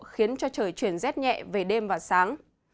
khiến cho trời chuyển rét nhẹ về đêm và sáng